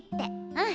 うん。